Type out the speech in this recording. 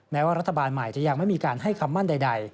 แม้ว่ารัฐบาลใหม่จะยังไม่มีการให้คำมั่นใด